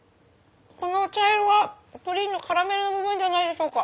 この茶色はプリンのカラメルではないでしょうか？